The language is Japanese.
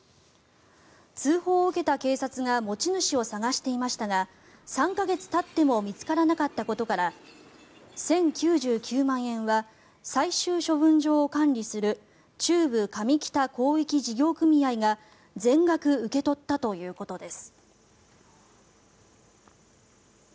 通報を受けた警察が持ち主を捜していましたが３か月たっても見つからなかったことから１０９９万円は最終処分場を管理する中部上北広域事業組合が全額受け取ったということです。